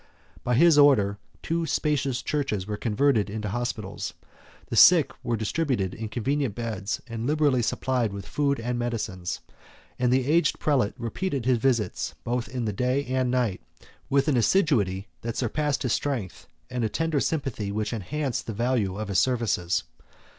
By his order, two spacious churches were converted into hospitals; the sick were distributed into convenient beds, and liberally supplied with food and medicines; and the aged prelate repeated his visits both in the day and night, with an assiduity that surpassed his strength, and a tender sympathy which enhanced the value of his services.